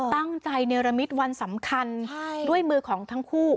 ในเนรมิตวันสำคัญด้วยมือของทั้งคู่